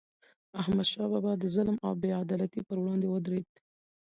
احمد شاه بابا د ظلم او بې عدالتی پر وړاندې ودرید.